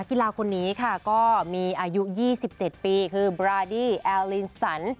กีฬาคนนี้ค่ะก็มีอายุ๒๗ปีคือบราดี้แอลลินสัน